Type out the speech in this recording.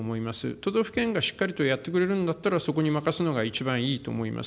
都道府県がしっかりとやってくれるんだったら、そこに任すのが一番いいと思います。